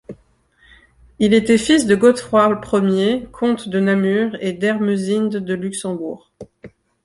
Il était fils de Godefroi I, comte de Namur, et d'Ermesinde de Luxembourg.